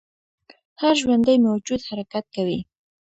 هر ژوندی موجود حرکت کوي